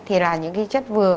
thì là những cái chất vừa